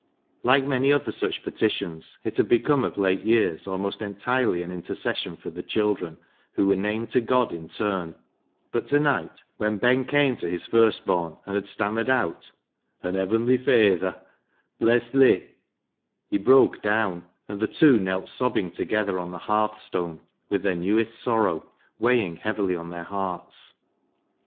Like many other such petitions, it had become of late years almost entirely an intercession for the children, who were named to God in turn, but to night, when Ben came 58 BECKSIDE LIGHTS to his firstborn and had stammered out, " An', Heavenly Fayther, bless Le ■■" he broke down, and the two knelt sobbing together on the hearthstone with their newest sorrow weighing heavily on their hearts.